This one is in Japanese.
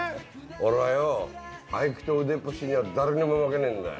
俺はよ、俳句と腕っぷしには誰にも負けねえんだよ。